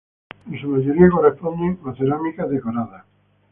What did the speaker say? En su mayoría corresponden a cerámicas decoradas.